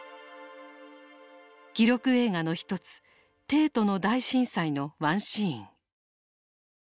記録映画の一つ「帝都の大震災」のワンシーン。